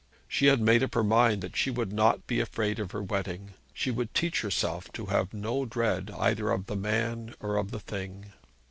She had made up her mind that she would not be afraid of her wedding. She would teach herself to have no dread either of the man or of the thing.